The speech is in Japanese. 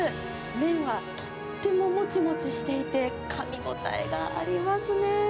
麺はとってももちもちしていて、かみ応えがありますね。